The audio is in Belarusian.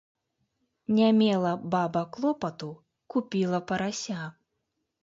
Не мела баба клопату, купіла парася